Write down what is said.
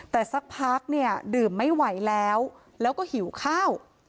แต่สักพักเนี่ยดื่มไม่ไหวแล้วแล้วก็หิวข้าว